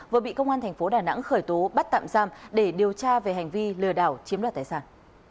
vừa bị công an thành phố đà nẵng khởi tố bắt tạm giam để điều tra về hành vi lừa đảo chiếm đoạt tài sản